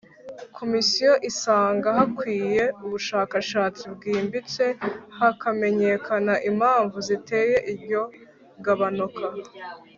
Komisiyo isanga hakwiye ubushakashatsi bwimbitse hakamenyekana impamvu zateye iryo gabanuka